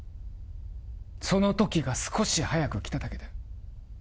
その時が少し早くきただけだ